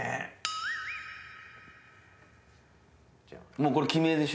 もうこれ決めでしょ？